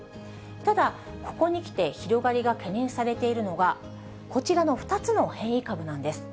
ただ、ここにきて広がりが懸念されているのが、こちらの２つの変異株なんです。